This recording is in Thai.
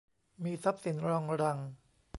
มีทรัพย์สินรองรัง